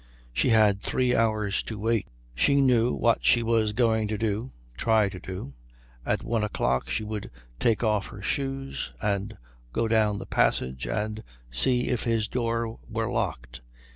She had three hours to wait. She knew what she was going to do, try to do. At one o'clock she would take off her shoes and go down the passage and see if his door were locked.